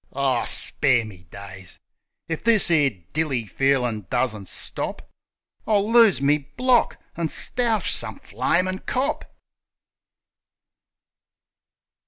... Aw, spare me days! If this 'ere dilly feelin' doesn't stop I'll lose me block an' stoush some flamin' cop